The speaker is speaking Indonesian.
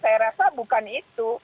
saya rasa bukan itu